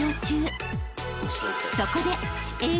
［そこで］